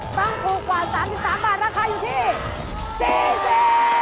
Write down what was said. ตังสูงกว่า๓๓บาทราคาอยู่ที่๔๐